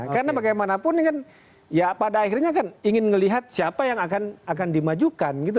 karena bagaimanapun ini kan ya pada akhirnya kan ingin melihat siapa yang akan dimajukan gitu